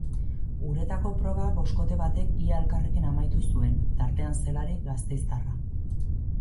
Uretako proba boskote batek ia elkarrekin amaitu zuen, tartean zelarik gasteiztarra.